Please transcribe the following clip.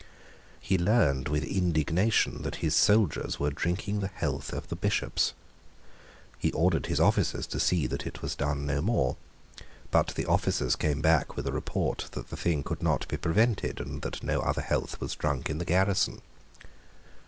He learned with indignation that his soldiers were drinking the health of the Bishops. He ordered his officers to see that it was done no more. But the officers came back with a report that the thing could not be prevented, and that no other health was drunk in the garrison.